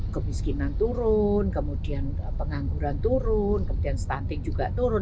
kemiskinan turun kemudian pengangguran turun kemudian stunting juga turun